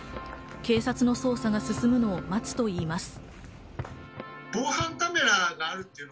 警察の捜査が進むのを待つといいます。